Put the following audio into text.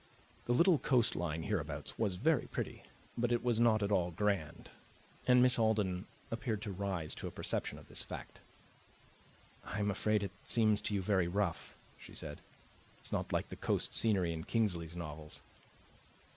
The little coast line hereabouts was very pretty, but it was not at all grand, and Miss Alden appeared to rise to a perception of this fact. "I am afraid it seems to you very rough," she said. "It's not like the coast scenery in Kingsley's novels."